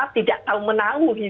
tidak tahu menangu